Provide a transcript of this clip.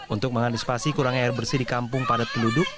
untuk mengantisipasi kurang air bersih di kampung padat peluduk